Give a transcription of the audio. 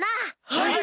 はい！